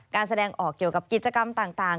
แสดงออกเกี่ยวกับกิจกรรมต่าง